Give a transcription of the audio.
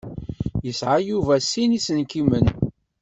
Yesεa Yuba sin iselkimen.